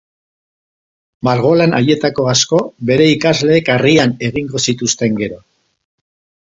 Margolan haietako asko bere ikasleek harrian egingo zituzten gero.